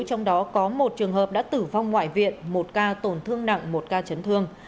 trong đó có một trường hợp đã tử vong ngoại viện một ca tổn thương nặng một ca chấn thương